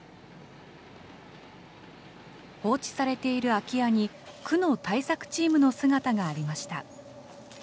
放置されている空き家に、区の対策チームの姿がありました。